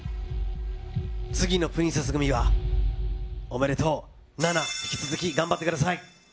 次のプリンセス組は、おめでとう、ナナ、引き続き頑張ってください。